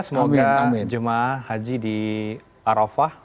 semoga jamaah haji di arofah